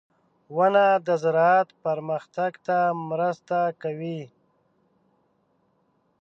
• ونه د زراعت پرمختګ ته مرسته کوي.